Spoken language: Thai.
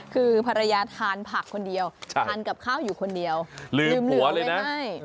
คือภรรยาทานผักคนเดียวทานกับข้าวอยู่คนเดียวลืมเหลือเลยนะ